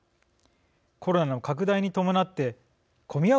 コロナの拡大に伴って混み合う